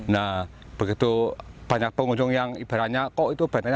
nah begitu banyak pengunjung yang ibaratnya kok itu banyak